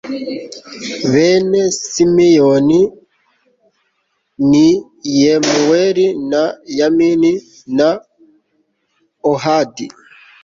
Bene Simeyoni e ni Yemuweli na Yamini na Ohadi